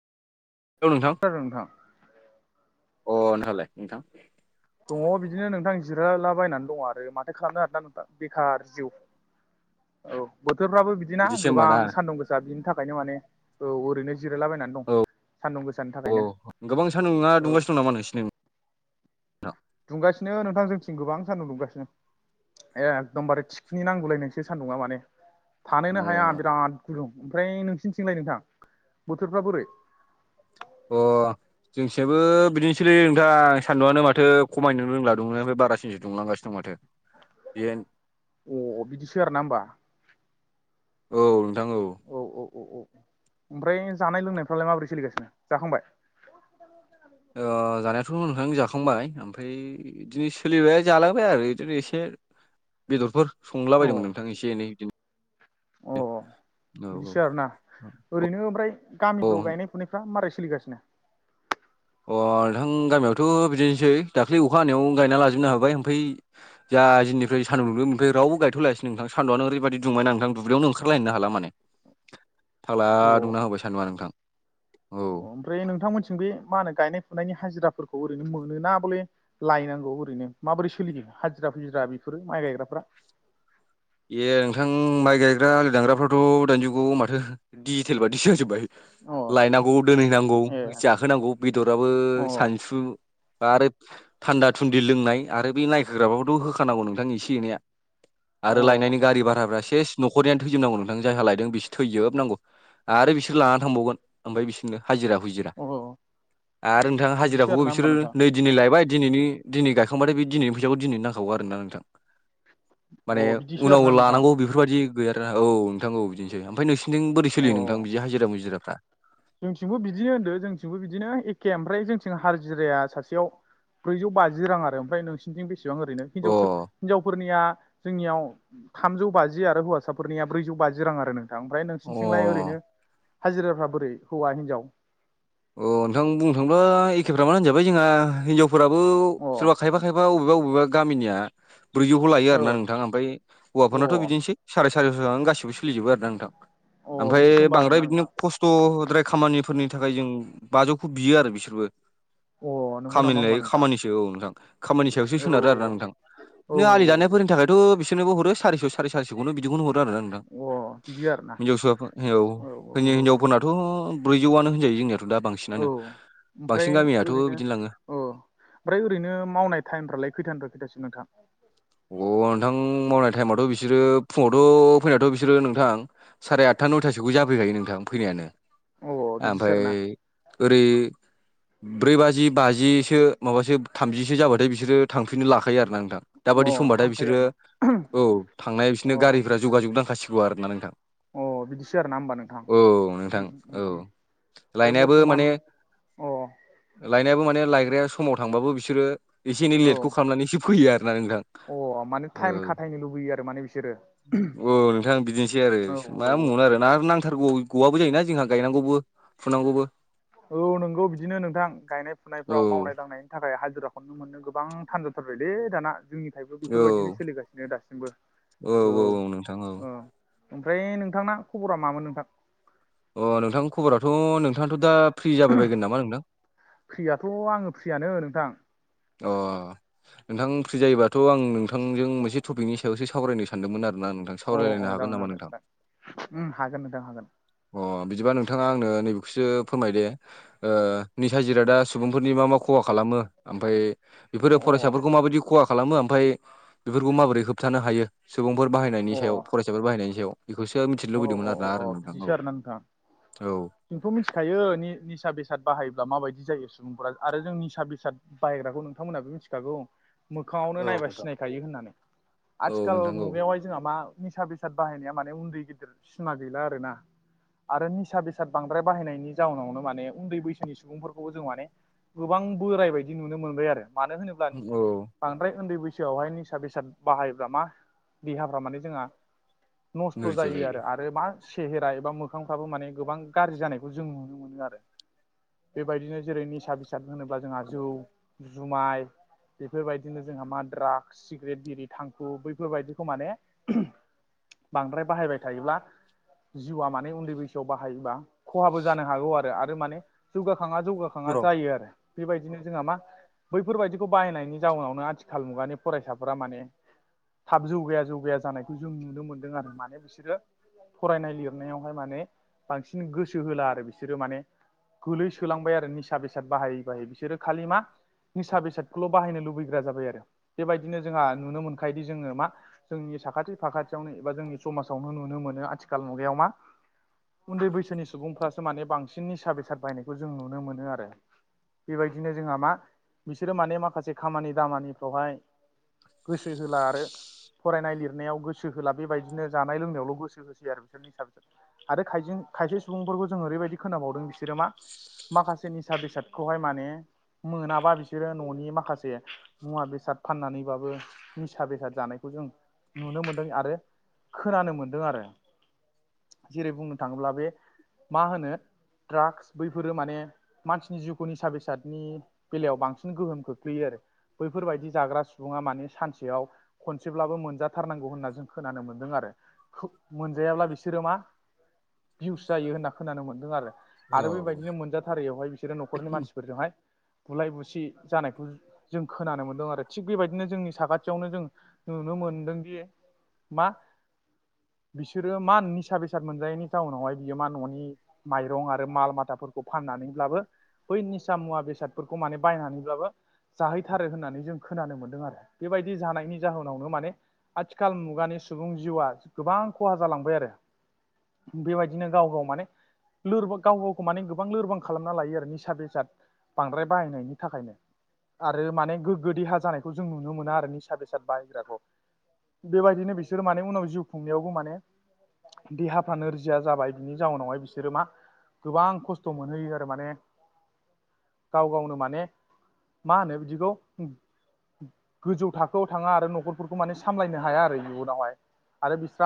औ नोंथां खोनादों नोंथां अ नोंहालाय नोंथां दङ' बिदिनो नोंथां जिरायलाबायनानै दङ' आरो माथो खालामनो आरोना नोंथां बेखार जिउ औ बोथोरफ्राबो बिदिना बिदिसो होमबा गोबां ना सान्दुं गोसा बिनि थाखायनो माने औ ओरैनो जिरायलाबायनानै दं औ सान्दुं गोसानि औ थाखायनो गोबां सानदुङा औ [unintelligible] नोंथां दुंगासिनो नोंथां जोंथिं गोबां सानदुं दुंगासिनो एखदमबारे थिखनि नांगौलायनायसो सान्दुंङा माने थानोनो हाया बिराद गुदुं ओमफ्राय नोंसिनिथिंलाय नोंथां बोथोरफ्रा बोरै अ जोंनिसायबो बिदिनोसैलै नोंथां सान्दुंआनो माथो खमायनो रोंला दुंनायनिफ्राय बारासिनसो दुंलांगासिनो दं माथो [inaudible] अ बिदिसो आरो ना होमबा औ नोंथां औ औ औ औ औ ओमफ्राय जानाय लोंनायफ्रालाय माबोरै सोलिगासिनो जाखांबाय? ओ जानायाथ' नोंथां जाखांबाय ओमफ्राय इदिनो सोलिबाय जालांबाय आरो इदिनो एसे बेदरफोर संला अ बायदोंमोन नोंथां एसे एनै बिदिनो अ बिदिसो आरोना ओरैनो ओमफ्राय औ औ गामिफ्राव गायनाय फुनायफ्रा मारै सोलिगासिनो अ नोंथां गामियावथ' बिदिनोसै दाखालै अखा हानायावनो गायना लाजोबनो हाबाय ओमफ्राय जा जोंनि सान्दुंदों बेनिफ्राय रावबो गायथ'लायासै नोंथां सानआ रैबायदि दुंबायना नोंथां दुब्लियावनो ओंखारलायनो हाला माने फाग्ला अ दुंना होबाय सानदुङा नोंथां औ ओमफ्राय नोंथांमोनसिं बे मा होनो गायनाय फुनायनि हाजिराफोरखौ ओरैनो मोनोना बले लायनांगौ ओरैनो माबोरै सोलियो हाजिरा फुजिरा बेफोरो माइ गायग्राफ्रा ए नोंथां माइ गायग्रा आलि दांग्राफ्राथ' दाइनिजुगाव माथो डिजिटेल बादिसो जाजोब्बाय अ लायनांगौ दोनहैनांगौ ए जा होनांगौ बेदराबो अ सानसु आरो थान्दा थुन्दि लोंनाय आरो बे नायखोग्रााबखौथ' होखानांगौ नोंथां एसे एनैया आरो अ लायनायनि गारि भाराफ्रा सेस न'खरनिानो थैजोबनांगौ नोंथां जायहा लायदों बिसोर थैजोबनांगौ आरो बिसोर लानानै थांबावगोन ओमफ्राय बिसोरनो हाजिरा हुजि अ आरो नोंथां बिदिसो हाजिराखौबो आरोना होमबा बिसोरो नोंथां नै दिनै लायबाय दिनैनि दिनै गायखांबाथाय बे दिनैनि फैसाखौ दिनैनो नांगौ आरोना नोंथां माने अ बिदिसो उनाव आरोना नोंथां लानांगौ बेफोर बायदि गैया आरो ना औ नोंथां औ बिदिनोसै ओमफ्राय नोंसिनिथिं बोरै सोलियो नोंथां अ बिदि हाजिरा मुजिराफ्रा जोंथिंबो बिदिनो होन्दो जोंथिंबो बिदिनो एखे ओमफ्राय जोंथिं हाजिराया सासेयाव ब्रैजौ बाजि रां आरो ओमफ्राय नोंसिनिथिं बेसेबां ओरैनो अ हिनजावसो हिनजावफोरनिया जोंनियाव थामजौ बाजि आरो हौवासाफोरनिया ब्रैजौ बाजि रां आरो नों थां ओमफ्राय नोंसिोरनिथिंलाय अ ओरैनो हाजिराफ्रा बोरै हौवा हिनजाव अ नोंथां बुंनो थांङोब्ला एखेफ्रामानो होनजाबाय जोंहा हिनजावफोराबो अ सोरबा खायफा खायफा अबेबा अबेबा गामिया ब्रैजौखौ लायो आरो औ ना नोंथां ओमफ्राय हौवाफोरनाथ' अ बिदिनोसै साराय सारिस'आनो गासिबो सोलिजोबो आरो ना नोंथां अ ओमफ्राय बिदिसो होमबा बांद्राय आरोना बिदिनो नोंथां खस थ'द्राय खामानिफोरनि थाखाय जों बाजौखौ बियो आरो बिसोरबो अ नंगौ नामा खामानि होमबा लायै नोंथां खामानिसो औ नोंथां खामानि सायावसो औ सोनारो आरोना नोंथां औ बिदिनो आलि दानायफोरनि थाखायथ' बिसोरनोबो हरो सारिस' साराय सारिस'खौनो बिखौनो हरो आरो ना नों थां औ औ अ बिदि आरोना हिनजावसाफोर औ [unintelligible] हिनजावफोरनाथ' ब्रैजौआनो होनजायो जोंनियाथ' दा औ बांसिनानो ओमफ्राय बांसिन गामियाथ' ओरैनो बिदिनो लाङो अ ओमफ्राय ओरैनो मावनाय टाइमफ्रालाय खैथानिफ्राय खैथासिम नोंथां अ नोंथां मावनाय टाइमावथ' बिसोरो फुङावथ' फैनायाथ' बिसोरो नोंथां साराय आठथा नइथासोखौ जाफैखायो नोंथां फैनायानो अ बिदिसो ओमफाय आरोना ओरै ब्रै बाजि बाजिसो माबासो थामजिसो जाबाथाय बिसोरो थांफिननो लाखायो आरो ना नोंथां अ दाबादि समबाथाय थांखायो बिसोरो आरोना औ थांनाया अ बिसोरनि गारिफोरा जुगाजुग नांखासिगौ आरोना नोंथां अ बिदिसो आरो ना होमबा नोंथां औ नोंथां औ ओमफ्राय लायनायाबो बरथमान माने अ लायनायाबो माने लायग्राया समाव थांबाबो बिसोरो एसे एनै औ लेटखौ खालामनानै एसे फैयो आरोना नोंथां अ माने टाइम खाथायनो लुबैयो आरो माने बिसोरो ओ औ नोंथां बिदिनोसै आरो औ मा औ बुंबावनो आरो ना आरो नांथारगौ गवाबो जायोना जोंहा गायनांगौबो फुनांगौबो औ नंगौ बिदिनो नोंथां गायनाय औ फुनायफ्राव मावनाय दांनाय नि थाखाय हाजिराखौनो मोननो गोबां थान जाथारबायलै दाना जोंनि थायबो औ बेफोरबायदिनो सोलिगासिनो दासिमबो औ ओमफ्राय नोंथांना खबरा मामोन नोंथां अ नोंथांनि खबराथ' नोंथाङाथ' दा फ्रि जाबाय बायगोन नामा नोंथां फ्रियाथ' आंङो फ्रियानो नोंथां अ नोंथां फ्रि जायोबाथ' आं नोंथांजों मोनसे टपिकनि सायावसो सावरायनो सानदोंमोन आरो ना नोंथां अ सावरायलायनो औ हागोन जागोन नामा जागोन नोंथां नोंथां हागोन नोंथां हागोन अ बिदिबा नोंथाङा आंनो नैबेखौसो फोरमाय दे निसा जिरादा सुबुंफोरनि मा मा खहा खालामो ओमफ्राय बेफोरो अ फरायसाफोरखौ माबायदि खहा खालामो ओमफाय बेफोरखौ माबोरै होबथानो हायो सुबुंफोर अ बाहायनायनि सायाव फरायसाफोर बाहायनायनि सायाव बेखौसो मिथिनो लुबैदोंमोन आरोना आरो नोंथां औ ना नोंथां औ जोंथ' मिथिखायो निसा बेसाद बाहायोब्ला माबायदि जायो सुबुंफोरा आरो जों निसा बेसाद बाहायग्राखौ नोंथांमोनाबो मिथिखागौ मोखाङावनो औ नायबा नोंथां सिनायखायो होननानै औ आथिखाल नोंथां औ मुगायावहाय जोंहा मा निसा बेसाद बाहायनाया माने उन्दै गिदिर सिमा गैला आरो ना आरो निसा बेसाद बांद्राय बाहायनायनि जाउनावनो माने उन्दै बैसोनि सुबुंफोरखौबो जों माने गोबां बोराय बायदि नुनो मोनबाय आरो मानो होनोब्ला औ बांद्राय उन्दै बैसोआवहाय निसा बेसाद बाहायोब्ला मा देहाफ्रा माने जोंहा नस्थ' जायो आरो आरो मा सेहेरा एबा मोखांफ्राबो माने गोबां गाज्रि जानायखौ जों नुनो मोनो आरो बेबायदिनो जेरै निसा बेसाद होनोब्ला जोंहा जौ जुमाय बेफोरबायदिनो जोंहा मा द्राग्स सिगारेट बिरि थांखु बैफोरबायदिखौ माने बांद्राय बाहायबाय थायोब्ला जिउआ माने उन्दै बैसोआव बाहायोबा खहाबो जानो हागौ आरो आरो माने जौगाखाङा जौगाखाङा र' जायो आरो बेबायदिनो जोंहा मा बैफोरबायदिखौ बाहायनायनि जाउनावनो आथिखाल मुगानि फरायसाफोरा माने थाब जौगाया जौगाया जानायखौ जों नुनो मोन्दों आरो माने बिसो सोरो फरायनाय लिरनायावहाय माने बांसिन गोसो होला आरो बिसोरो माने गोलैसोलांबाय आरो निसा बेसाद बाहायबाय बिसोरो खालि मा निसा बेसादखौल' बाहायनो लुबैग्रा जाबाय आरो बेबायदिनो जोंहा नुनो मोनखायोदि जोङो मा जोंनि साखाथि फाखाथियावनो एबा जोंनि समाज साव नुनो मोनो आथिखाल मुगायाव मा उन्दै बैसोनि सुबुंफ्रासो माने बांसिन निसा बेसाद बाहायनायखौ जों नुनो मोनो आरो बेबायदिनो जोंहा मा बिसोरो माने माखासे खामानि दामानिफ्रावहाय गोसो होला आरो फरायनाय लिरनायाव गोसो होला बेबायदिनो जानाय लोंनायावल' गोसो होसै आरो बिसोर आरो खाय खायसे सुबुंफोरखौ जों ओरैबायदि खोनाबावदों बिसोरो मा माखासे निसा बेसादखौहाय माने मोनाबा बिसोरो न'नि माखासे मुवा बेसाद फाननानैबाबो निसा बेसाद जानायखौ जों नुनो मोनदों आरो खोनानो मोन्दों आरो जेरै बुंनो थाङोब्ला बे मा होनो ड्राग्स बैफोरो माने मानसिनि जिउ खौ निसा बेसाद नि बेलायाव बांसिन गोहोम खोख्लैयो आरो बैफोरबायदि जाग्रा सुबुङा माने सानसेयाव खनसेब्लाबो मोनजाथारनांगौ होनना जों खोनानो मोन्दों आरो मोनजायाब्ला बिसोरो मा भिउस जायो होनना खोनानो मोन्दों आरो आरो औ बेबायदिनो मोनजाथारैयावहाय बि बिसोरो न'खरनि मानसिफोरजोंहाय बुलाय बुसि जानायखौ जों खोनानो मोनदों आरो थिग बेबायदिनो जोंनि साखाथियावनो जों नुनो मोनदोंदि मा बिसोरो मा निसा बेसाद मोनजायैनि जाउनावहाय बियो मा न'नि माइरं आरो माल माथाफोरखौ फाननानैब्लाबो बै निसा मुवा बेसादफोरखौ माने बायनानैब्लाबो जाहैथारो होननानै जों खोनानो मोनदों आरो बेबायदि जानायनि जाहोनावनो माने आथिखाल मुगानि सुबुं जिउआ गोबां खहा जालांबाय आरो बेबायदिनो गाव गाव माने लोरबां गाव गावखौ माने गोबां लोरबां खालामना लायो आरो निसा बेसाद बांद्राय बाहायनायनि थाखायनो आरो माने गोग्गो देहा जानायखौ जों नुनो मोना आरो निसा बेसाद बाहायग्राखौ बेबायदिनो बिसोर माने उनाव जिउ खुंनायावबो माने देहाफ्रा नोरजिया जाबाय बिनि जाउनावहाय बिसोरो मा गोबां खसथ' मोनहैयो आरो माने गाव गावनो माने मा होनो बिदिखौ गोजौ थाखोआव थाङा आरो न'खरफोरखौ माने सामलायनो हाया आरो इयुनावहाय आरो बिस्रा